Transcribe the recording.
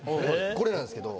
これなんですけど。